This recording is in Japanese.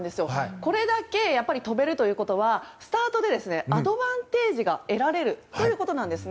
これだけ飛べるということはスタートでアドバンテージが得られるということなんです。